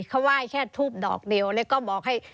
เขาไหว้แค่ทูบดอกเดียวแล้วก็บอกให้